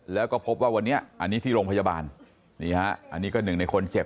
แล้วก็พบว่าวันนี้อันนี้ที่โรงพยาบาลนี่ฮะอันนี้ก็หนึ่งในคนเจ็บ